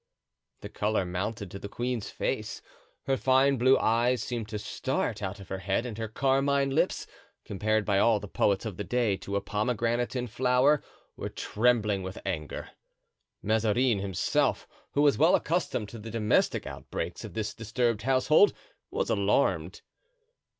The color mounted to the queen's face; her fine blue eyes seemed to start out of her head and her carmine lips, compared by all the poets of the day to a pomegranate in flower, were trembling with anger. Mazarin himself, who was well accustomed to the domestic outbreaks of this disturbed household, was alarmed.